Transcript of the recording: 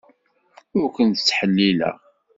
Ur ken-ttḥellileɣ.